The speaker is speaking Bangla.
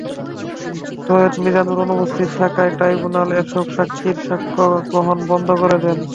সৈয়দ মিজানুর অনুপস্থিত থাকায় ট্রাইব্যুনাল এসব সাক্ষীর সাক্ষ্য গ্রহণ বন্ধ করে দেন।